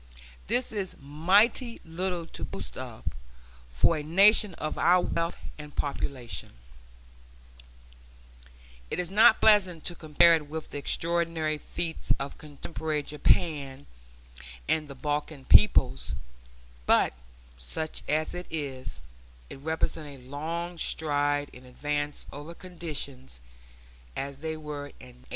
This is mighty little to boast of, for a Nation of our wealth and population; it is not pleasant to compare it with the extraordinary feats of contemporary Japan and the Balkan peoples; but, such as it is, it represents a long stride in advance over conditions as they were in 1898.